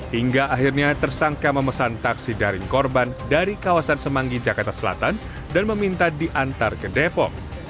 hingga akhirnya tersangka memesan taksi daring korban dari kawasan semanggi jakarta selatan dan meminta diantar ke depok